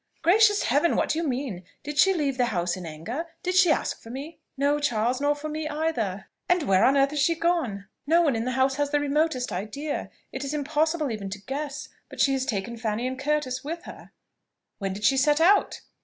"Gracious Heaven! what do you mean? Did she leave the house in anger? Did she ask for me?" "No, Charles: nor for me either!" "And where on earth is she gone?" "No one in the house has the remotest idea: it is impossible even to guess. But she has taken Fanny and Curtis with her." "When did she set out?"